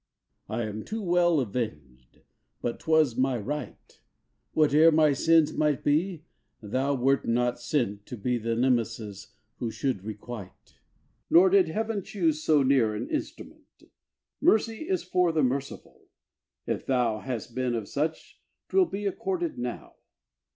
I am too well avenged! but 'twas my right; Whate'er my sins might be, thou wert not sent To be the Nemesis who should requite Nor did Heaven choose so near an instrument. Mercy is for the merciful! if thou Hast been of such, 'twill be accorded now.